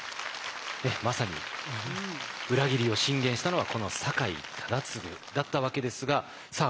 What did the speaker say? まさに裏切りを進言したのはこの酒井忠次だったわけですがさあ